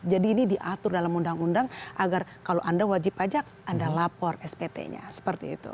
ini diatur dalam undang undang agar kalau anda wajib pajak anda lapor spt nya seperti itu